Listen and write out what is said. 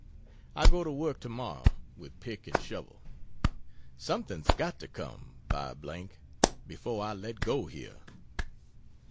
I go to work to morrow, with pick and shovel. Something's got to come, by G , before I let go, here.